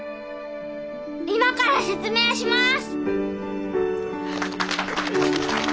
今から説明します！